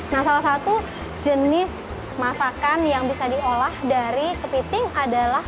nah salah satu jenis masakan yang bisa diolah dari kepiting adalah